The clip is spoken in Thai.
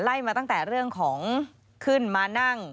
มาตั้งแต่เรื่องของขึ้นมานั่ง